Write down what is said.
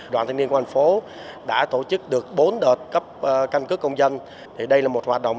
đoàn thanh niên công an thành phố đã tổ chức được bốn đợt cấp căn cước công dân